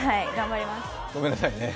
ごめんなさいね。